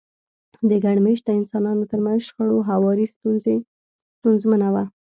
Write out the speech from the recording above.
د ګډ مېشته انسانانو ترمنځ شخړو هواری ستونزمنه وه.